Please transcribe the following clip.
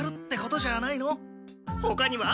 ほかには？